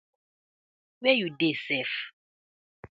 Where yu dey sef?